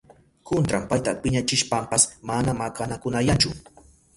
Kutran payta piñachishpanpas mana makanakunayanchu.